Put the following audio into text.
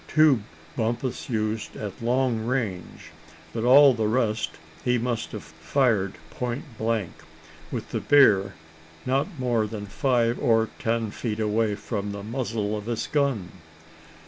Two Bumpus used at long range, but all the rest he must have fired point blank, with the bear not more than five or ten feet away from the muzzle of his gun."